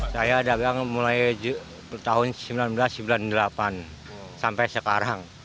saya dagang mulai tahun seribu sembilan ratus sembilan puluh delapan sampai sekarang